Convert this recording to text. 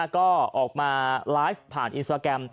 ก็ออกมาไลฟ์ผ่านอินสตราแกรม